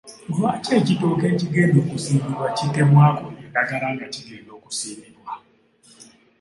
Lwaki ekitooke ekigenda okusimbibwa kitemwaka endagala nga kigenda okusibmbiwa?